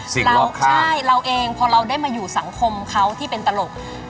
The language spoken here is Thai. ใช่เราใช่เราเองพอเราได้มาอยู่สังคมเขาที่เป็นตลก